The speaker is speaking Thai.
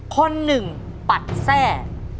คนหนึ่งปัดแทร่